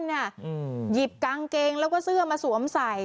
หยิบกางเกงแล้วก็เสื้อมาสวมใส่